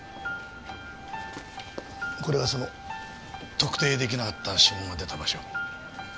これがその特定出来なかった指紋が出た場所。